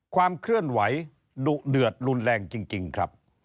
ความเคลื่อนไหวดุเดือดรุนแรงจริงครับ